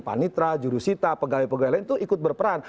panitra jurusita pegawai pegawai lain itu ikut berperan